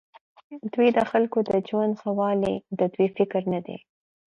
دوی د خلکو د ژوند ښهوالی د دوی فکر نه دی.